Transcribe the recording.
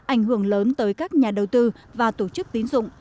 ảnh hưởng lớn tới các nhà đầu tư và tổ chức tín dụng